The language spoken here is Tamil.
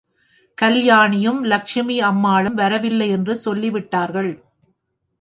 கல்யாணியும், லட்சுமி அம்மாளும் வரவில்லை என்று சொல்லி விட்டார்கள்.